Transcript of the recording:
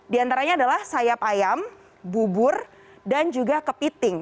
di antaranya adalah sayap ayam bubur dan juga kepiting